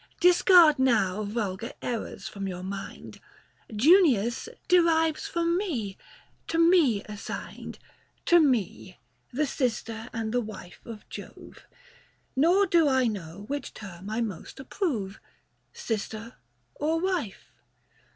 Discard now vulgar errors from your mind ; Junius derives from me, to me assigned — 30 To me, the sister and the wife of Jove. Nor do I know which term I most approve, Sister or wife.